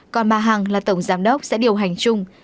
còn bà hằng là tổng giám đốc sẽ điều hành chung